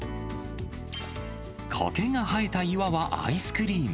こけが生えた岩はアイスクリーム。